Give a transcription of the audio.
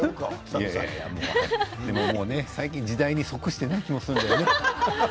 でも最近、時代に即していない気もするんだよね。